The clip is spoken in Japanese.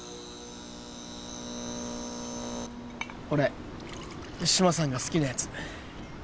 これ志摩さんが好きなやつ